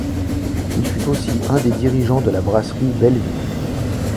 Il fut aussi un des dirigeants de la brasserie Belle-Vue.